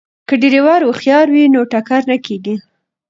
که ډریور هوښیار وي نو ټکر نه کیږي.